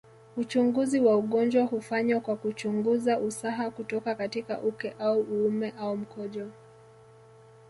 Uchunguzi wa ugonjwa hufanywa kwa kuchungunza usaha kutoka katika uke au uume au mkojo